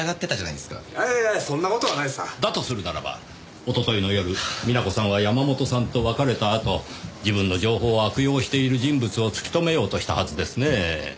だとするならば一昨日の夜美奈子さんは山本さんと別れたあと自分の情報を悪用している人物を突き止めようとしたはずですねぇ。